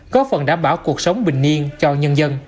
có phần đảm bảo cuộc sống bình yên cho nhân dân